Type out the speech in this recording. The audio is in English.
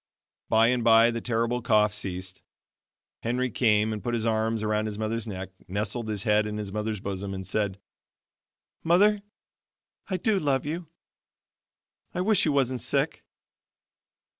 By and by the terrible cough ceased. Henry came and put his arms around his mother's neck, nestled his head in his mother's bosom, and said, "Mother, I do love you; I wish you wasn't sick."